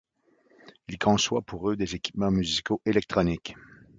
Il conçoit pour eux des équipements musicaux électroniques.